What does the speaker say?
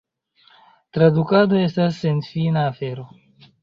Tradukado estas senfina afero.